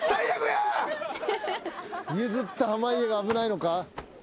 譲った濱家が危ないのか？